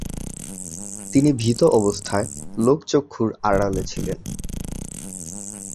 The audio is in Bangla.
তিনি ভীত অবস্থায় লোকচক্ষুর আড়ালে ছিলেন।